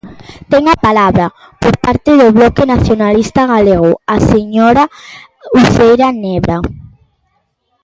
Ten a palabra, por parte do Bloque Nacionalista Galego, a señora Uceira Nebra.